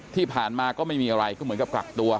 ที่ผ่านมาก็ไม่มีอะไรก็เหมือนกับกักตัว